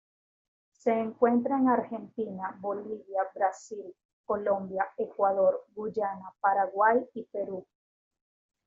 Se encuentra en Argentina, Bolivia, Brasil, Colombia, Ecuador, Guyana, Paraguay y Perú.